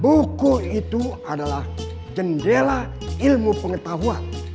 buku itu adalah jendela ilmu pengetahuan